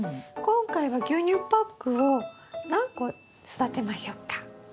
今回は牛乳パックを何個育てましょうか？